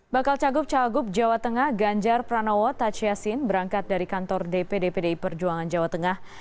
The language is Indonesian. bakal cagup cagup jawa tengah ganjar pranowo taj yassin berangkat dari kantor dpd pdi perjuangan jawa tengah